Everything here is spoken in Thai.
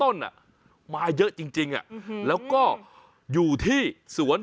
สุดยอดน้ำมันเครื่องจากญี่ปุ่น